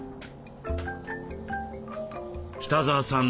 北澤さん